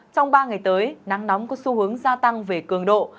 trong ba ngày tới nắng nóng có xu hướng gia tăng về cường độ